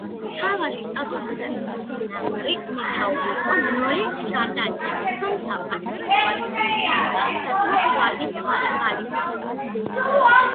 მთავარი შტაბის ნომინალური მეთაური იყო ნოე ჟორდანია, თუმცა, პრაქტიკულად, სახალხო გვარდიას ვალიკო ჯუღელი მეთაურობდა.